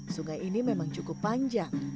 sungai ini memang cukup panjang